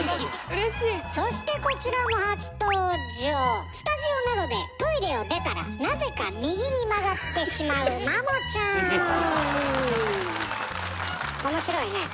そしてこちらもスタジオなどでトイレを出たらなぜか右に曲がってしまう面白いねえ。